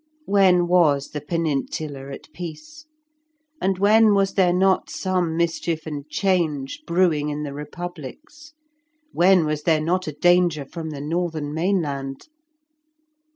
When was the Peninsula at peace? and when was there not some mischief and change brewing in the republics? When was there not a danger from the northern mainland?